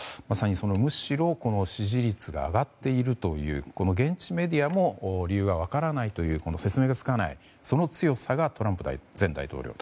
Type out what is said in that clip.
むしろ支持率が上がっているという現地メディアも理由は分からない説明がつかないという強さがトランプ前大統領。